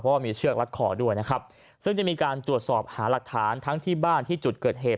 เพราะว่ามีเชือกรัดคอด้วยนะครับซึ่งจะมีการตรวจสอบหาหลักฐานทั้งที่บ้านที่จุดเกิดเหตุ